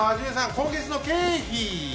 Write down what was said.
今月の経費！